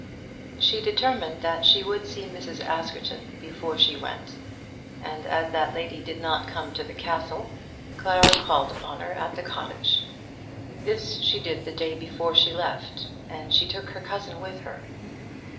She determined that she would see Mrs. Askerton before she went; and as that lady did not come to the Castle, Clara called upon her at the cottage. This she did the day before she left, and she took her cousin with her.